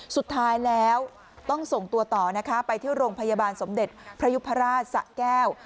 สุดท้ายแล้วต้องส่งตัวต่อนะคะไปที่โรงพยาบาลสมเด็จพระยุพราชสะแก้ว